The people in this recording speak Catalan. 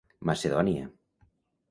Macedònia.